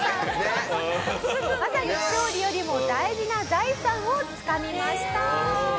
まさに勝利よりも大事な財産をつかみました。